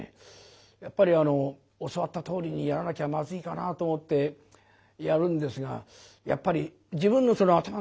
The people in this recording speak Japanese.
やっぱり教わったとおりにやらなきゃまずいかなと思ってやるんですがやっぱり自分の頭の中にね